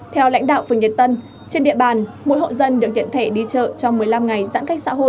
theo lãnh đạo phường nhật tân trên địa bàn mỗi hộ dân được nhận thẻ đi chợ trong một mươi năm ngày giãn cách xã hội